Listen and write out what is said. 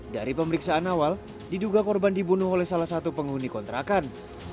dari pemeriksaan awal diduga korban dibunuh oleh salah satu penghuni kontrakan